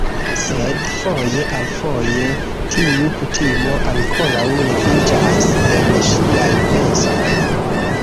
Sed, foje al foje, tiu kutimo ankoraŭ leviĝas en ŝiaj pensoj